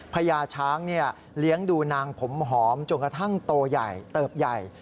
พญาช้างเลี้ยงดูนางผมหอมจนกระทั่งโตใหญ่เติบใหญ่